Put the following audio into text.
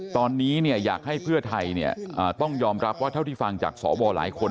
ตอนนี้อยากให้เพื่อไทยต้องยอมรับว่าเท่าที่ฟังจากสวหลายคน